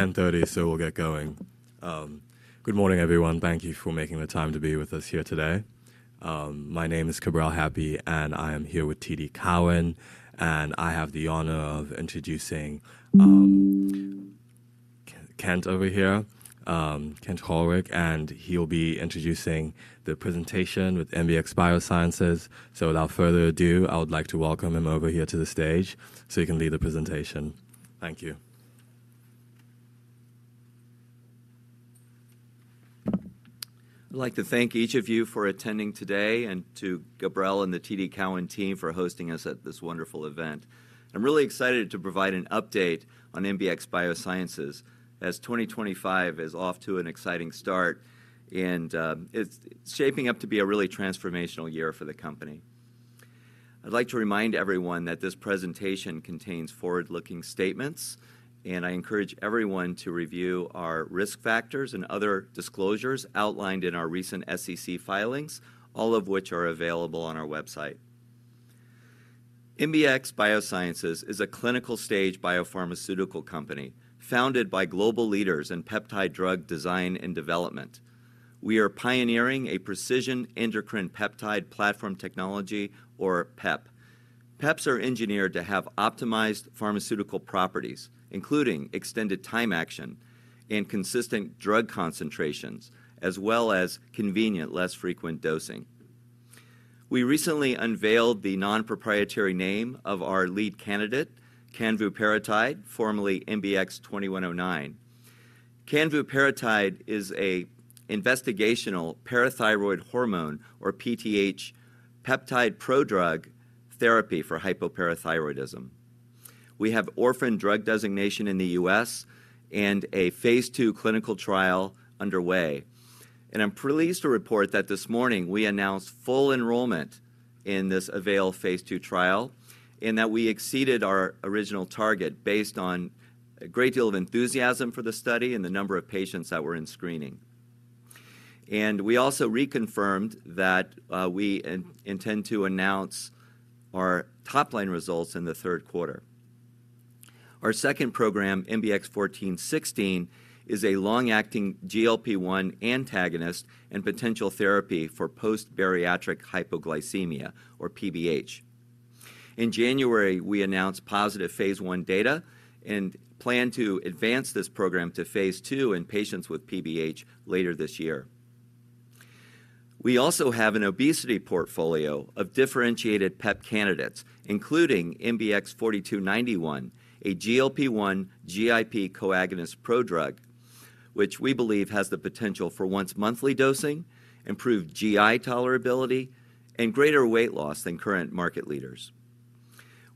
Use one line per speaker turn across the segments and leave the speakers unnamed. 10:30, so we'll get going. Good morning, everyone. Thank you for making the time to be with us here today. My name is Cabrel Happi, and I am here with TD Cowen, and I have the honor of introducing Kent over here, Kent Hawryluk, and he'll be introducing the presentation with MBX Biosciences. Without further ado, I would like to welcome him over here to the stage so he can lead the presentation. Thank you.
I'd like to thank each of you for attending today and to Cabrel and the TD Cowen team for hosting us at this wonderful event. I'm really excited to provide an update on MBX Biosciences as 2025 is off to an exciting start, and it's shaping up to be a really transformational year for the company. I'd like to remind everyone that this presentation contains forward-looking statements, and I encourage everyone to review our risk factors and other disclosures outlined in our recent SEC filings, all of which are available on our website. MBX Biosciences is a clinical-stage biopharmaceutical company founded by global leaders in peptide drug design and development. We are pioneering a precision endocrine peptide platform technology, or PEP. PEPs are engineered to have optimized pharmaceutical properties, including extended time action and consistent drug concentrations, as well as convenient, less frequent dosing. We recently unveiled the non-proprietary name of our lead candidate, canvuparatide, formerly MBX 2109. Canvuparatide is an investigational parathyroid hormone, or PTH, peptide pro-drug therapy for hypoparathyroidism. We have orphan drug designation in the U.S. and a phase II clinical trial underway. I'm pleased to report that this morning we announced full enrollment in this Avail phase II trial and that we exceeded our original target based on a great deal of enthusiasm for the study and the number of patients that were in screening. We also reconfirmed that we intend to announce our top-line results in the third quarter. Our second program, MBX 1416, is a long-acting GLP-1 antagonist and potential therapy for post-bariatric hypoglycemia, or PBH. In January, we announced positive phase I data and plan to advance this program to phase II in patients with PBH later this year. We also have an obesity portfolio of differentiated PEP candidates, including MBX 4291, a GLP-1 GIP co-agonist pro-drug, which we believe has the potential for once-monthly dosing, improved GI tolerability, and greater weight loss than current market leaders.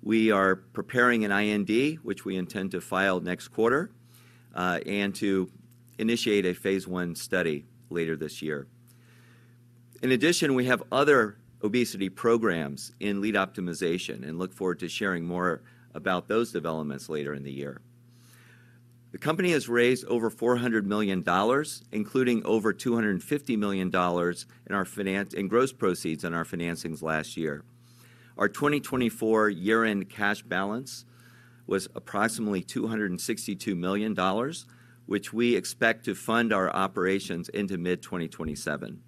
We are preparing an IND, which we intend to file next quarter, and to initiate a phase I study later this year. In addition, we have other obesity programs in lead optimization and look forward to sharing more about those developments later in the year. The company has raised over $400 million, including over $250 million in our finance and gross proceeds in our financings last year. Our 2024 year-end cash balance was approximately $262 million, which we expect to fund our operations into mid-2027.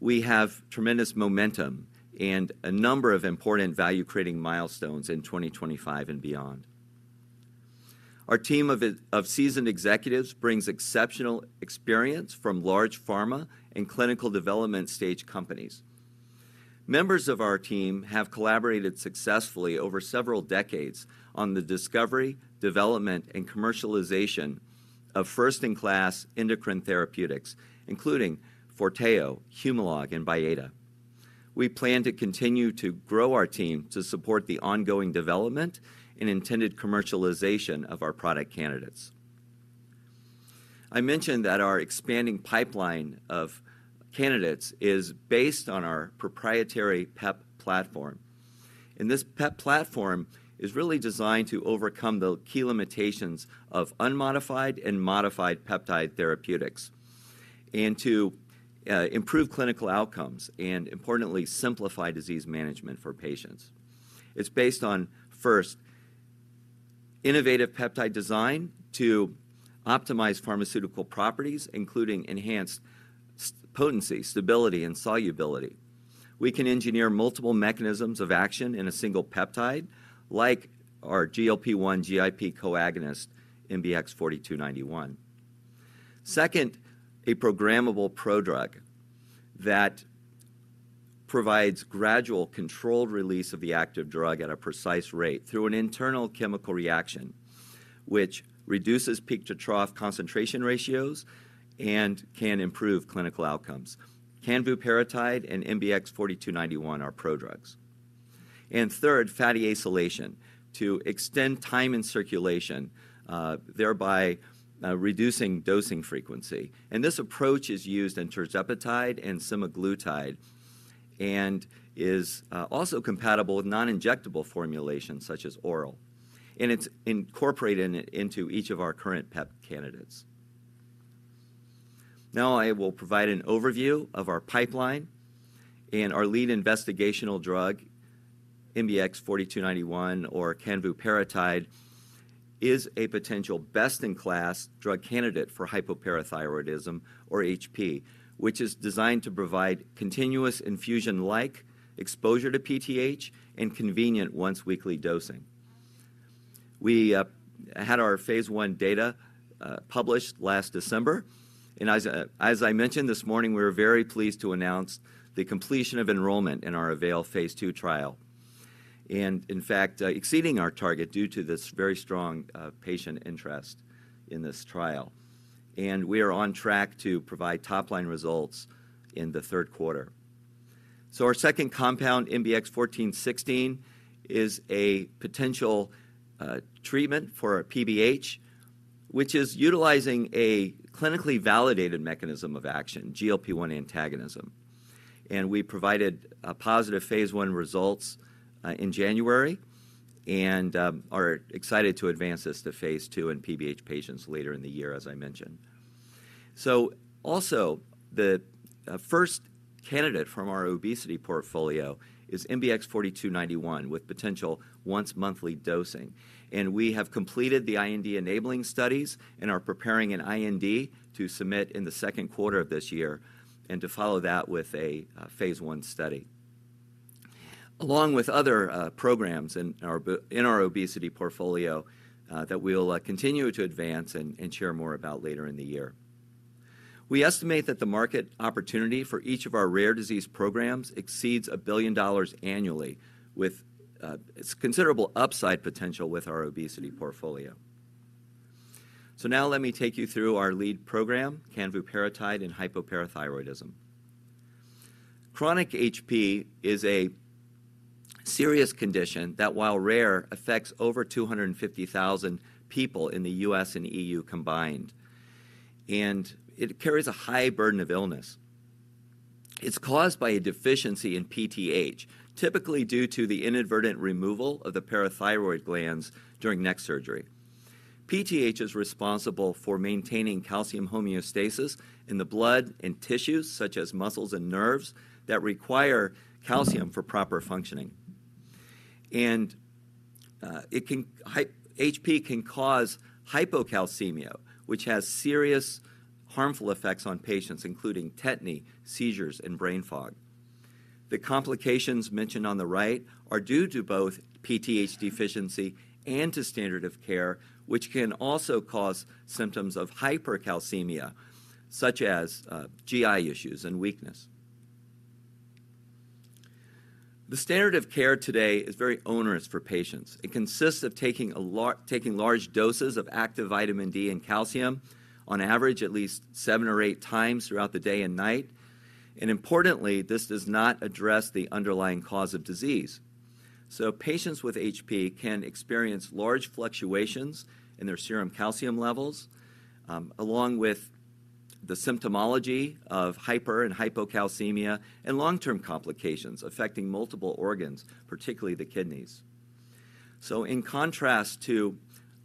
We have tremendous momentum and a number of important value-creating milestones in 2025 and beyond. Our team of seasoned executives brings exceptional experience from large pharma and clinical development stage companies. Members of our team have collaborated successfully over several decades on the discovery, development, and commercialization of first-in-class endocrine therapeutics, including Forteo, Humalog, and Byetta. We plan to continue to grow our team to support the ongoing development and intended commercialization of our product candidates. I mentioned that our expanding pipeline of candidates is based on our proprietary PEP platform. This PEP platform is really designed to overcome the key limitations of unmodified and modified peptide therapeutics and to improve clinical outcomes and, importantly, simplify disease management for patients. It is based on, first, innovative peptide design to optimize pharmaceutical properties, including enhanced potency, stability, and solubility. We can engineer multiple mechanisms of action in a single peptide, like our GLP-1 GIP co-agonist, MBX 4291. Second, a programmable pro-drug that provides gradual controlled release of the active drug at a precise rate through an internal chemical reaction, which reduces peak-to-trough concentration ratios and can improve clinical outcomes. Canvuparatide and MBX 4291 are pro-drugs. Third, fatty acylation to extend time in circulation, thereby reducing dosing frequency. This approach is used in tirzepatide and semaglutide and is also compatible with non-injectable formulations such as oral. It is incorporated into each of our current PEP candidates. Now, I will provide an overview of our pipeline, and our lead investigational drug, MBX 4291, or canvuparatide, is a potential best-in-class drug candidate for hypoparathyroidism, or HP, which is designed to provide continuous infusion-like exposure to PTH and convenient once-weekly dosing. We had our phase I data published last December. As I mentioned this morning, we were very pleased to announce the completion of enrollment in our Avail phase II trial. In fact, we exceeded our target due to this very strong patient interest in this trial. We are on track to provide top-line results in the third quarter. Our second compound, MBX 1416, is a potential treatment for PBH, which is utilizing a clinically validated mechanism of action, GLP-1 antagonism. We provided positive phase I results in January, and are excited to advance this to phase II in PBH patients later in the year, as I mentioned. Also, the first candidate from our obesity portfolio is MBX 4291 with potential once-monthly dosing. We have completed the IND enabling studies and are preparing an IND to submit in the second quarter of this year and to follow that with a phase I study, along with other programs in our obesity portfolio that we'll continue to advance and share more about later in the year. We estimate that the market opportunity for each of our rare disease programs exceeds $1 billion annually, with considerable upside potential with our obesity portfolio. Let me take you through our lead program, canvuparatide in hypoparathyroidism. Chronic HP is a serious condition that, while rare, affects over 250,000 people in the U.S. and EU combined, and it carries a high burden of illness. It's caused by a deficiency in PTH, typically due to the inadvertent removal of the parathyroid glands during neck surgery. PTH is responsible for maintaining calcium homeostasis in the blood and tissues, such as muscles and nerves, that require calcium for proper functioning. It can, hypoparathyroidism can cause hypocalcemia, which has serious harmful effects on patients, including tetany, seizures, and brain fog. The complications mentioned on the right are due to both PTH deficiency and to standard of care, which can also cause symptoms of hypercalcemia, such as GI issues and weakness. The standard of care today is very onerous for patients. It consists of taking a lot, taking large doses of active vitamin D and calcium, on average, at least seven or eight times throughout the day and night. Importantly, this does not address the underlying cause of disease. Patients with HP can experience large fluctuations in their serum calcium levels, along with the symptomology of hyper and hypocalcemia and long-term complications affecting multiple organs, particularly the kidneys. In contrast to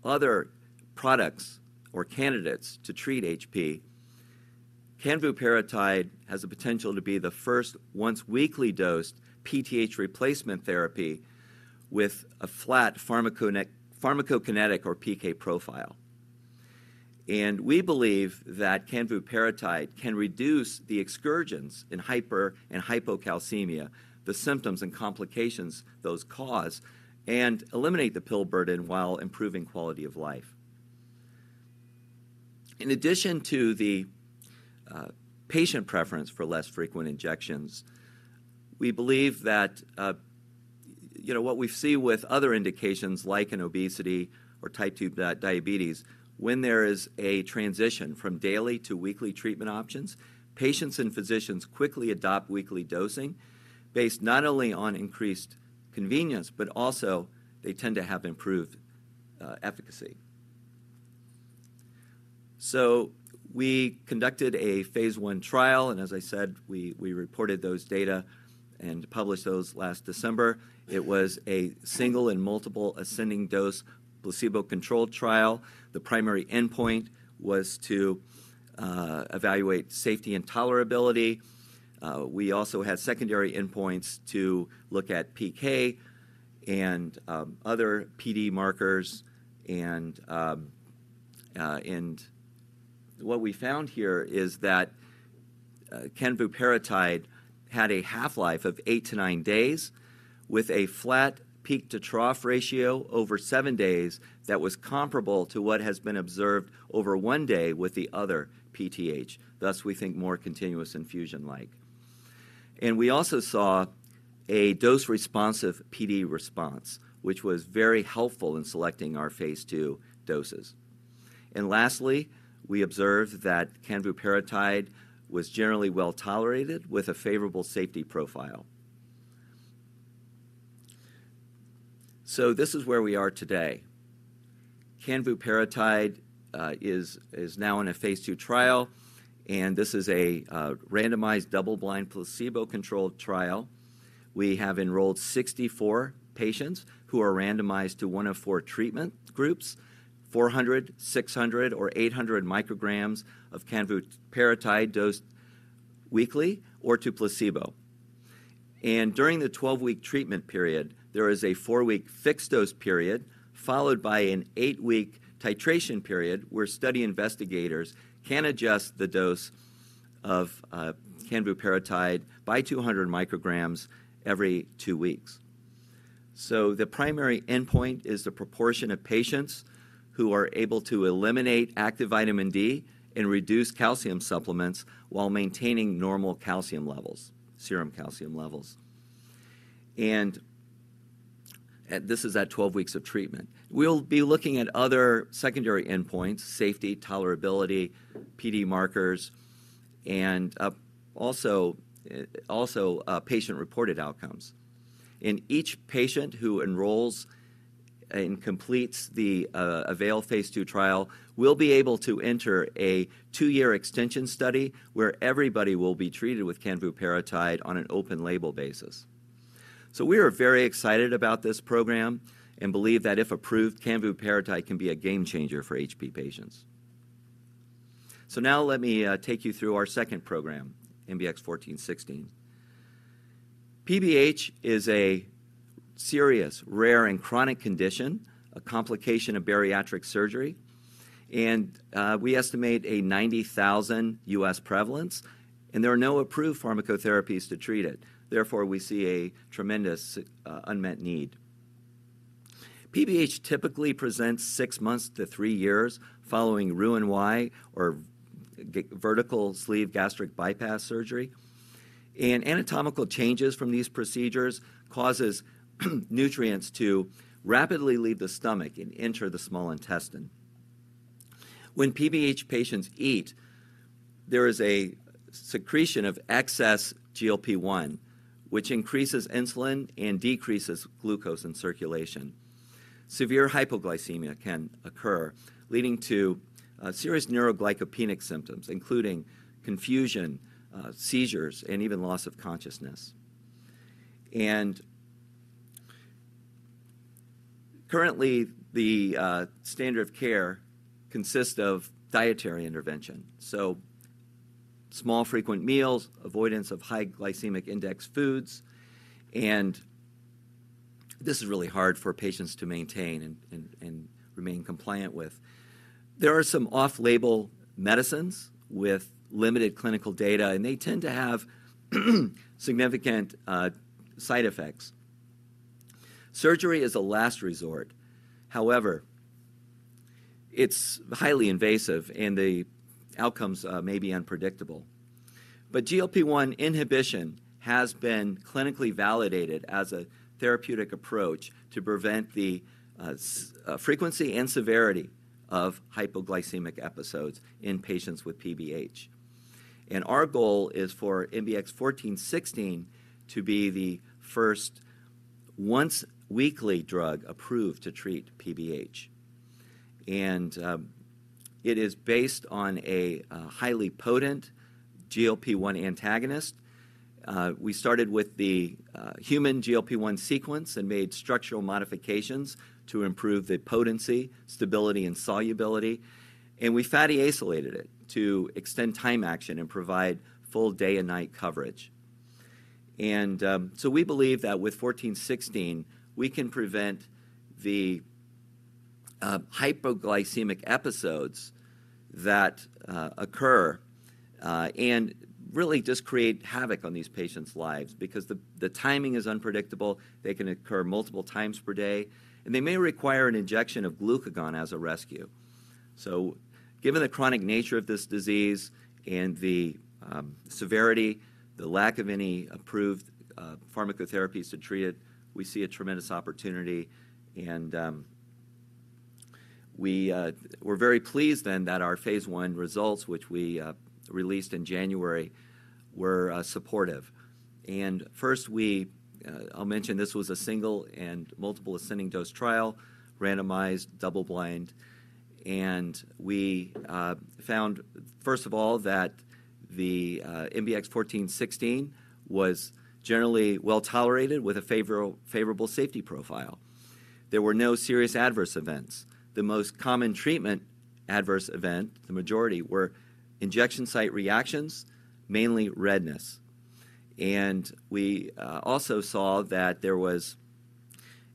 other products or candidates to treat HP, canvuparatide has the potential to be the first once-weekly dosed PTH replacement therapy with a flat pharmacokinetic or PK profile. We believe that canvuparatide can reduce the excursions in hyper and hypocalcemia, the symptoms and complications those cause, and eliminate the pill burden while improving quality of life. In addition to the patient preference for less frequent injections, we believe that, you know, what we see with other indications like obesity or type 2 diabetes, when there is a transition from daily to weekly treatment options, patients and physicians quickly adopt weekly dosing based not only on increased convenience, but also they tend to have improved efficacy. We conducted a phase I trial, and as I said, we reported those data and published those last December. It was a single and multiple ascending dose placebo-controlled trial. The primary endpoint was to evaluate safety and tolerability. We also had secondary endpoints to look at PK and other PD markers, and what we found here is that canvuparatide had a half-life of eight to nine days with a flat peak-to-trough ratio over seven days that was comparable to what has been observed over one day with the other PTH. Thus, we think more continuous infusion-like. We also saw a dose-responsive PD response, which was very helpful in selecting our phase II doses. Lastly, we observed that canvuparatide was generally well tolerated with a favorable safety profile. This is where we are today. Canvuparatide is now in a phase II trial, and this is a randomized double-blind placebo-controlled trial. We have enrolled 64 patients who are randomized to one of four treatment groups: 400, 600, or 800 µg of canvuparatide dosed weekly or to placebo. During the 12-week treatment period, there is a four-week fixed dose period followed by an eight-week titration period where study investigators can adjust the dose of canvuparatide by 200 µg every two weeks. The primary endpoint is the proportion of patients who are able to eliminate active vitamin D and reduce calcium supplements while maintaining normal calcium levels, serum calcium levels. This is at 12 weeks of treatment. We'll be looking at other secondary endpoints: safety, tolerability, PD markers, and also patient-reported outcomes. Each patient who enrolls and completes the Avail phase II trial will be able to enter a two-year extension study where everybody will be treated with canvuparatide on an open-label basis. We are very excited about this program and believe that if approved, canvuparatide can be a game changer for HP patients. Let me take you through our second program, MBX 1416. PBH is a serious, rare, and chronic condition, a complication of bariatric surgery. We estimate a 90,000 U.S. prevalence, and there are no approved pharmacotherapies to treat it. Therefore, we see a tremendous unmet need. PBH typically presents six months to three years following Roux-en-Y or vertical sleeve gastric bypass surgery. Anatomical changes from these procedures cause nutrients to rapidly leave the stomach and enter the small intestine. When PBH patients eat, there is a secretion of excess GLP-1, which increases insulin and decreases glucose in circulation. Severe hypoglycemia can occur, leading to serious neuroglycopenic symptoms, including confusion, seizures, and even loss of consciousness. Currently, the standard of care consists of dietary intervention. Small, frequent meals, avoidance of high glycemic index foods, and this is really hard for patients to maintain and remain compliant with. There are some off-label medicines with limited clinical data, and they tend to have significant side effects. Surgery is a last resort. However, it's highly invasive, and the outcomes may be unpredictable. GLP-1 inhibition has been clinically validated as a therapeutic approach to prevent the frequency and severity of hypoglycemic episodes in patients with PBH. Our goal is for MBX 1416 to be the first once-weekly drug approved to treat PBH. It is based on a highly potent GLP-1 antagonist. We started with the human GLP-1 sequence and made structural modifications to improve the potency, stability, and solubility. We fatty acylated it to extend time action and provide full day and night coverage. We believe that with 1416, we can prevent the hypoglycemic episodes that occur and really just create havoc on these patients' lives because the timing is unpredictable. They can occur multiple times per day, and they may require an injection of glucagon as a rescue. Given the chronic nature of this disease and the severity, the lack of any approved pharmacotherapies to treat it, we see a tremendous opportunity. We are very pleased then that our phase I results, which we released in January, were supportive. First, I will mention this was a single and multiple ascending dose trial, randomized, double-blind. We found, first of all, that MBX 1416 was generally well tolerated with a favorable safety profile. There were no serious adverse events. The most common treatment adverse event, the majority, were injection site reactions, mainly redness. We also saw that there was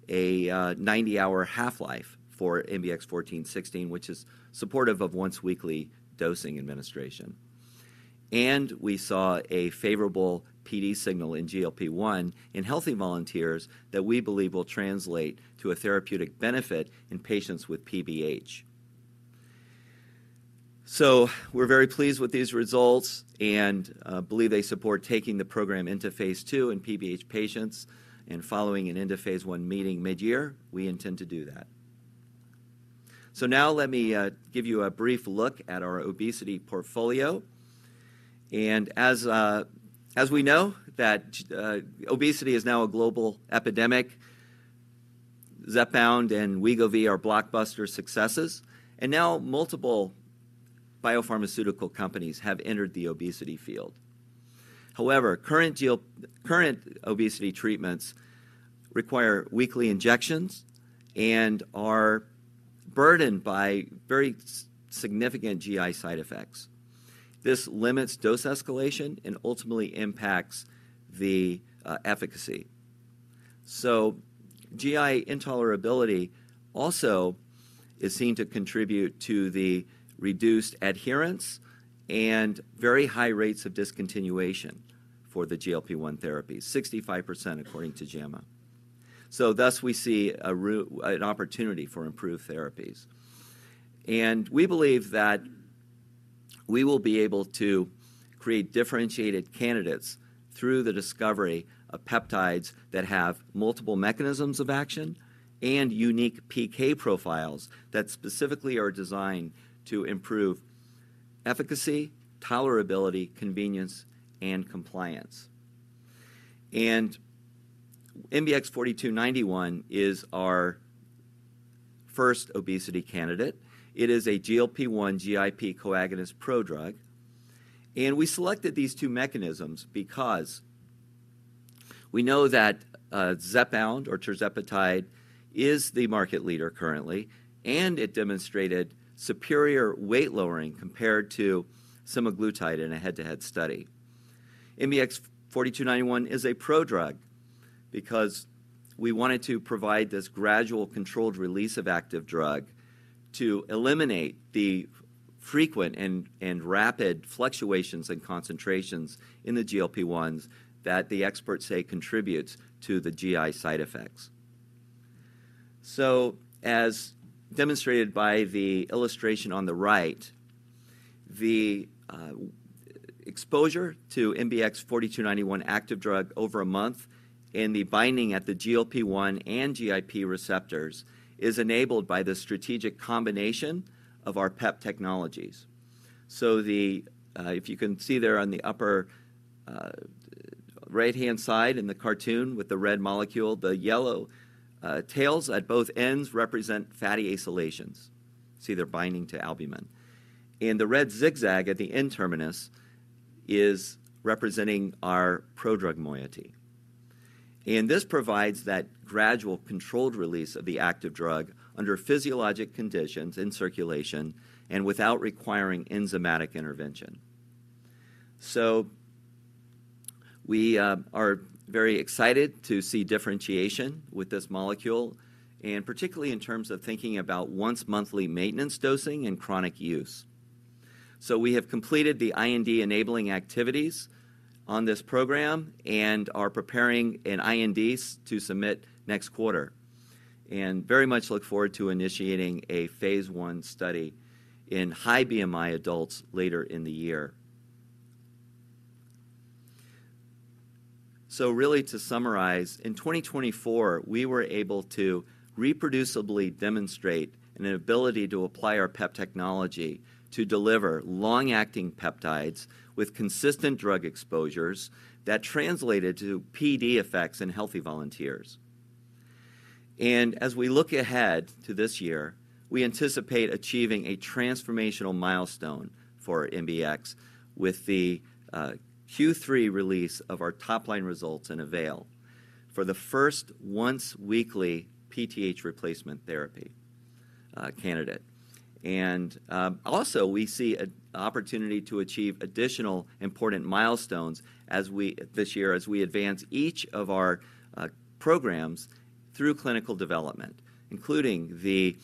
a 90-hour half-life for MBX 1416, which is supportive of once-weekly dosing administration. We saw a favorable PD signal in GLP-1 in healthy volunteers that we believe will translate to a therapeutic benefit in patients with PBH. We are very pleased with these results and believe they support taking the program into phase II in PBH patients and following an end of phase I meeting mid-year. We intend to do that. Let me give you a brief look at our obesity portfolio. As we know, obesity is now a global epidemic, Zepbound and Wegovy are blockbuster successes, and now multiple biopharmaceutical companies have entered the obesity field. However, current obesity treatments require weekly injections and are burdened by very significant GI side effects. This limits dose escalation and ultimately impacts the efficacy. GI intolerability also is seen to contribute to the reduced adherence and very high rates of discontinuation for the GLP-1 therapies, 65% according to JAMA. Thus we see a route, an opportunity for improved therapies. We believe that we will be able to create differentiated candidates through the discovery of peptides that have multiple mechanisms of action and unique PK profiles that specifically are designed to improve efficacy, tolerability, convenience, and compliance. MBX 4291 is our first obesity candidate. It is a GLP-1 GIP co-agonist pro-drug. We selected these two mechanisms because we know that Zepbound or tirzepatide is the market leader currently, and it demonstrated superior weight lowering compared to semaglutide in a head-to-head study. MBX 4291 is a pro-drug because we wanted to provide this gradual controlled release of active drug to eliminate the frequent and rapid fluctuations in concentrations in the GLP-1s that the experts say contributes to the GI side effects. As demonstrated by the illustration on the right, the exposure to MBX 4291 active drug over a month and the binding at the GLP-1 and GIP receptors is enabled by the strategic combination of our PEP technologies. If you can see there on the upper right-hand side in the cartoon with the red molecule, the yellow tails at both ends represent fatty acylations. See they're binding to albumin. The red zigzag at the end terminus is representing our pro-drug moiety. This provides that gradual controlled release of the active drug under physiologic conditions in circulation and without requiring enzymatic intervention. We are very excited to see differentiation with this molecule, and particularly in terms of thinking about once-monthly maintenance dosing and chronic use. We have completed the IND enabling activities on this program and are preparing an IND to submit next quarter. We very much look forward to initiating a phase I study in high BMI adults later in the year. Really to summarize, in 2024, we were able to reproducibly demonstrate an ability to apply our PEP technology to deliver long-acting peptides with consistent drug exposures that translated to PD effects in healthy volunteers. As we look ahead to this year, we anticipate achieving a transformational milestone for MBX with the Q3 release of our top-line results in Avail for the first once-weekly PTH replacement therapy candidate. We see an opportunity to achieve additional important milestones this year, as we advance each of our programs through clinical development, including the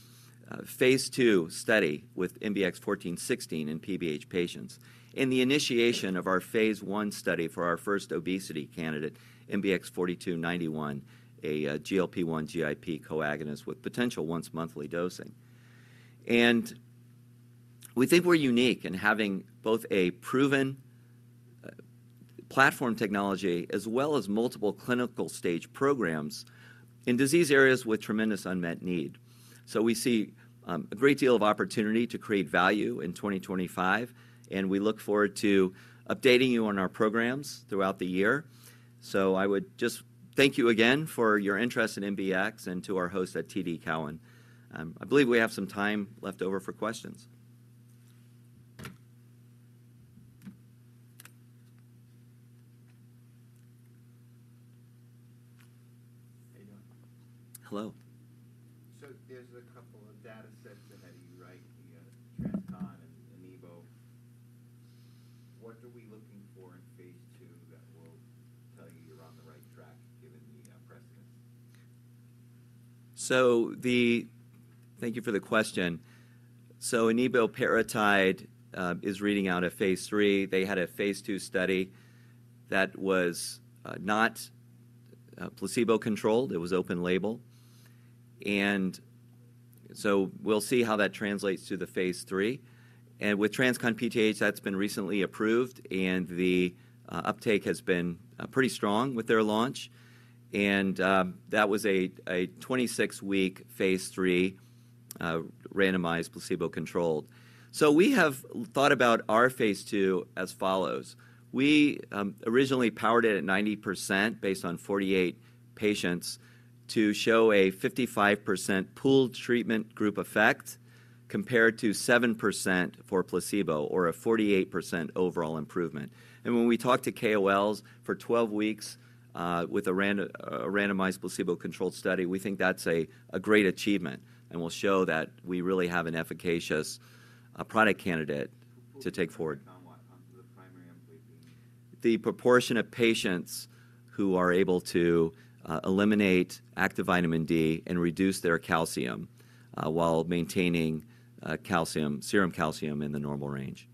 phase II study with MBX 1416 in PBH patients and the initiation of our phase I study for our first obesity candidate, MBX 4291, a GLP-1 GIP coagonist with potential once-monthly dosing. We think we're unique in having both a proven platform technology as well as multiple clinical stage programs in disease areas with tremendous unmet need. We see a great deal of opportunity to create value in 2025, and we look forward to updating you on our programs throughout the year. I would just thank you again for your interest in MBX and to our host at TD Cowen. I believe we have some time left over for questions. [Hello]. Hello. There's a couple of data sets ahead of you, right? The TransCon and enebo. What are we looking for in phase II that will tell you you're on the right track given the precedence? Thank you for the question. Eneboparatide is reading out a phase III. They had a phase II study that was not placebo controlled. It was open label. We will see how that translates to the phase III. With TransCon PTH, that has been recently approved, and the uptake has been pretty strong with their launch. That was a 26-week phase III, randomized placebo controlled. We have thought about our phase II as follows. We originally powered it at 90% based on 48 patients to show a 55% pooled treatment group effect compared to 7% for placebo or a 48% overall improvement. When we talk to KOLs for 12 weeks, with a randomized placebo controlled study, we think that is a great achievement and will show that we really have an efficacious product candidate to take forward. What? The primary employee being? The proportion of patients who are able to eliminate active vitamin D and reduce their calcium, while maintaining serum calcium in the normal range.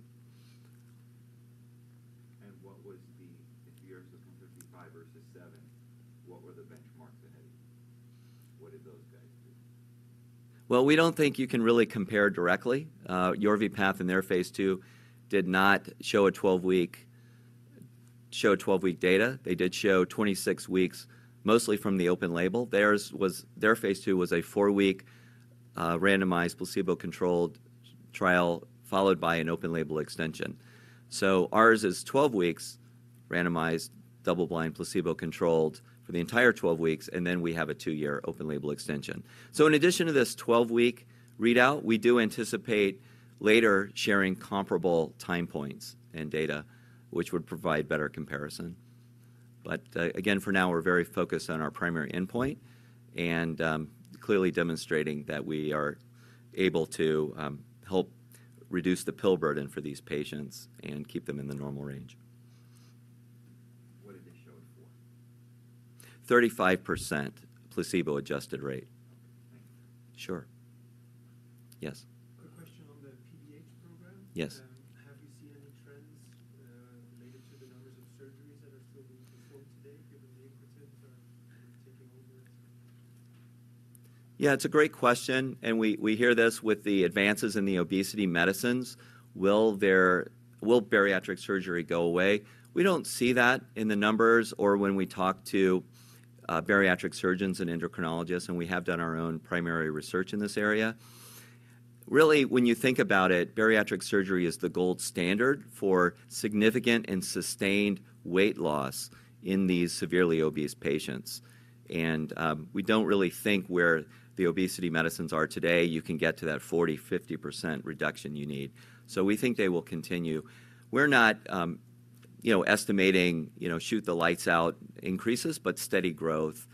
If yours was 155 versus 7, what were the benchmarks ahead of you? What did those guys do? We don't think you can really compare directly. YORVIPATH and their phase II did not show 12-week data. They did show 26 weeks, mostly from the open label. Theirs was, their phase II was a four-week randomized placebo controlled trial followed by an open label extension. Ours is 12 weeks randomized double-blind placebo controlled for the entire 12 weeks, and then we have a two-year open label extension. In addition to this 12-week readout, we do anticipate later sharing comparable time points and data, which would provide better comparison. Again, for now, we're very focused on our primary endpoint and clearly demonstrating that we are able to help reduce the pill burden for these patients and keep them in the normal range. What did they show it for? 35% placebo-adjusted rate. Okay. Thank you. Sure. Yes. Quick question on the PBH program. Yes. Have you seen any trends, related to the numbers of surgeries that are still being performed today given the increment of taking over? Yeah, it's a great question. We hear this with the advances in the obesity medicines. Will bariatric surgery go away? We don't see that in the numbers or when we talk to bariatric surgeons and endocrinologists, and we have done our own primary research in this area. Really, when you think about it, bariatric surgery is the gold standard for significant and sustained weight loss in these severely obese patients. We don't really think where the obesity medicines are today, you can get to that 40-50% reduction you need. We think they will continue. We're not, you know, estimating, you know, shoot the lights out increases, but steady growth.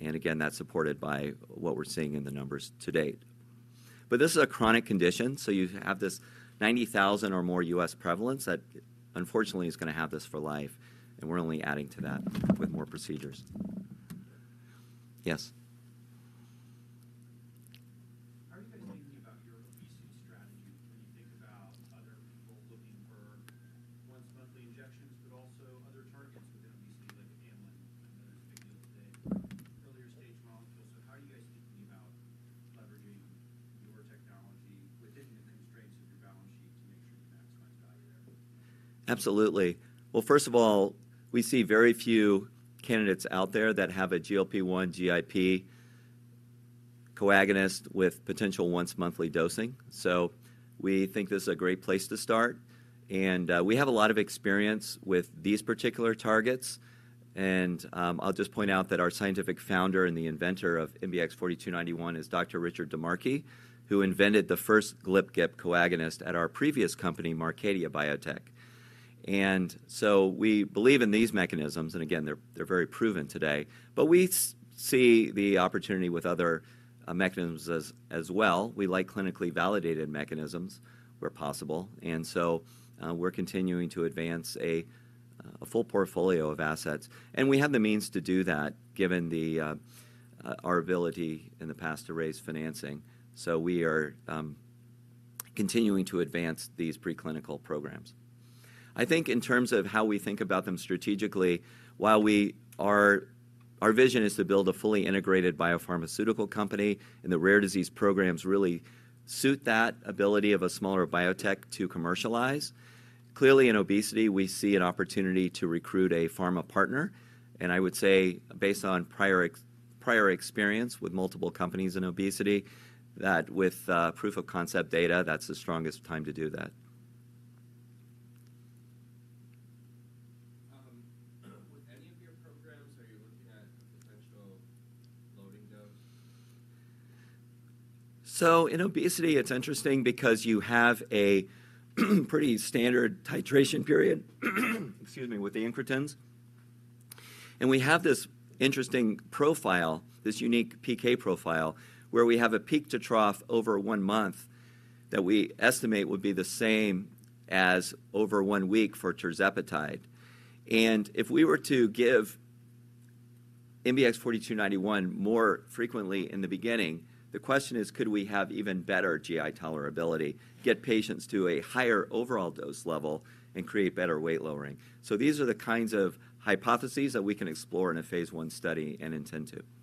Again, that's supported by what we're seeing in the numbers to date. This is a chronic condition. You have this 90,000 or more U.S. Prevalence that unfortunately is going to have this for life. We are only adding to that with more procedures. Yes. Are you guys thinking about your obesity strategy when you think about other people looking for once-monthly injections, but also other targets within obesity like a GLP-1? I know that's a big deal today. Earlier stage molecules. How are you guys thinking about leveraging your technology within the constraints of your balance sheet to make sure you maximize value there? Absolutely. First of all, we see very few candidates out there that have a GLP-1 GIP co-agonist with potential once-monthly dosing. We think this is a great place to start. We have a lot of experience with these particular targets. I'll just point out that our scientific founder and the inventor of MBX 4291 is Dr. Richard DiMarchi, who invented the first GLP-1/GIP co-agonist at our previous company, Marcadia Biotech. We believe in these mechanisms. Again, they're very proven today. We see the opportunity with other mechanisms as well. We like clinically validated mechanisms where possible. We're continuing to advance a full portfolio of assets. We have the means to do that given our ability in the past to raise financing. We are continuing to advance these preclinical programs. I think in terms of how we think about them strategically, while we are, our vision is to build a fully integrated biopharmaceutical company and the rare disease programs really suit that ability of a smaller biotech to commercialize. Clearly, in obesity, we see an opportunity to recruit a pharma partner. I would say based on prior experience with multiple companies in obesity, that with proof of concept data, that's the strongest time to do that. With any of your programs, are you looking at a potential loading dose? In obesity, it's interesting because you have a pretty standard titration period, excuse me, with the incretins. We have this interesting profile, this unique PK profile where we have a peak to trough over one month that we estimate would be the same as over one week for tirzepatide. If we were to give MBX 4291 more frequently in the beginning, the question is, could we have even better GI tolerability, get patients to a higher overall dose level, and create better weight lowering? These are the kinds of hypotheses that we can explore in a phase I study and intend to.